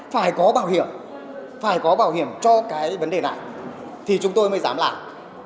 phải có bảo hiểm phải có bảo hiểm cho cái vấn đề này thì chúng tôi mới dám làm